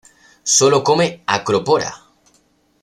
Sólo come "Acropora".